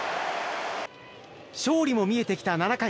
勝利も見えてきた７回